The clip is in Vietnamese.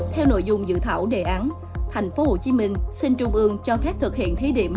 theo nội dung dự thảo đề án thành phố hồ chí minh xin trung ương cho phép thực hiện thí điểm